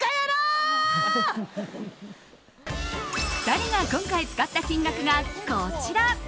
２人が今回使った金額がこちら。